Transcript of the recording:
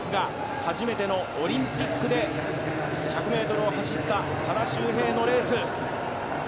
初めてのオリンピックで１００ｍを走った多田修平のレース。